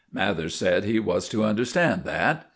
Mathers said he was to understand that.